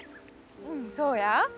うんそうや。